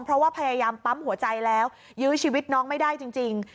เพราะว่าพยายามปั๊มหัวใจแล้วยื้อชีวิตน้องไม่ได้จริง